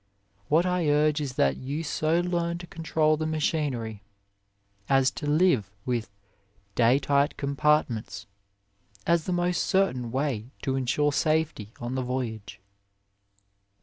What I urge is that you so learn to control the machinery as to livt 22 OF LIFE with "day tight compartments" as the most certain way to ensure safety on the voyage.